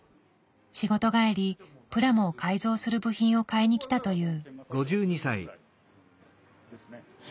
仕事帰りプラモを改造する部品を買いに来たという。